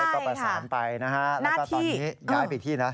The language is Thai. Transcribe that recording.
ก็ประสานไปนะฮะแล้วก็ตอนนี้ย้ายไปอีกที่นะ